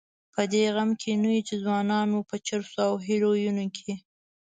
په دې غم کې نه یو چې ځوانان مو په چرسو او هیرویینو کې.